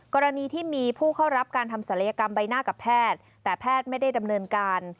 กรณีที่มีผู้เข้ารับการทำศัลยกรรมใบหน้ากับแพทย์แต่แพทย์ไม่ได้ดำเนินการ